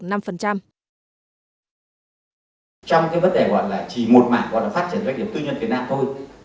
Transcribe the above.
trong cái vấn đề gọi là chỉ một mảng đó là phát triển doanh nghiệp tư nhân việt nam thôi